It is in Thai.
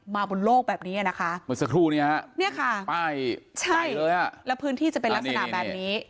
บนโลกแบบนี้อ่ะนะคะเมื่อสักครู่นี้ฮะเนี่ยค่ะป้ายใช่เลยอ่ะแล้วพื้นที่จะเป็นลักษณะแบบนี้